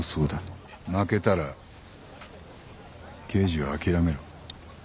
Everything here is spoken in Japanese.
負けたら刑事は諦めろ。